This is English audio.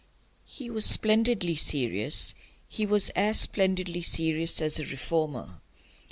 FIVE. He was splendidly serious. He was as splendidly serious as a reformer.